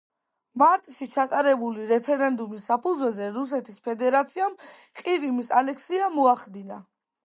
მარტში ჩატარებული რეფერენდუმის საფუძველზე რუსეთის ფედერაციამ ყირიმის ანექსია მოახდინა.